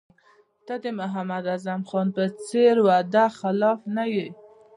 ته د محمد اعظم خان په څېر وعده خلاف نه یې.